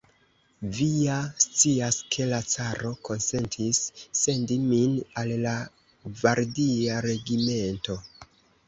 Vi ja scias, ke la caro konsentis sendi min al la gvardia regimento.